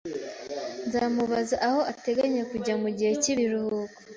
Nzamubaza aho ateganya kujya mugihe cyibiruhuko